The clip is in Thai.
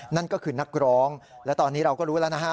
นั่นก็คือนักร้องและตอนนี้เราก็รู้แล้วนะฮะ